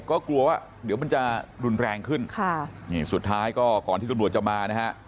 ก็กลัวว่าเดี๋ยวมันจะรุนแรงขึ้นค่ะนี่สุดท้ายก็ก่อนที่ตำรวจจะมานะฮะ